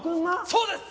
そうです！